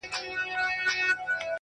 ما به د سترگو کټوري کي نه ساتلې اوبه,